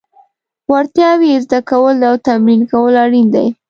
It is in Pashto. وړتیاوې زده کول او تمرین کول اړین دي.